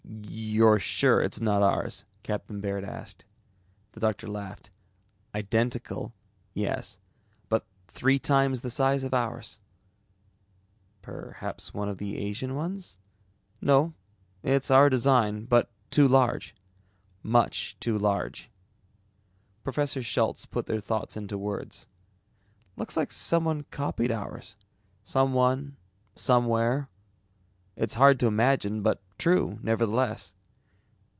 "You're sure it's not ours?" Captain Baird asked. The doctor laughed. "Identical, yes, but three times the size of ours." "Perhaps one of the Asian ones?" "No, it's our design, but too large, much too large." Professor Schultz put their thoughts into words. "Looks like someone copied ours. Someone, somewhere. It's hard to imagine, but true nevertheless."